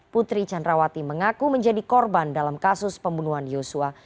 putri candrawati mengaku menjadi korban dalam kasus pembunuhan yosua